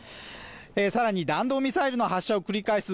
更に弾道ミサイルの発射を繰り返す